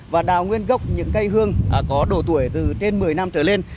và đào nguyên gốc những cây hương có độ tuổi từ trên một mươi năm trở lên